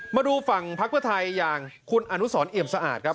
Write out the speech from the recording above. มาดูฝั่งพักเพื่อไทยอย่างคุณอนุสรเอี่ยมสะอาดครับ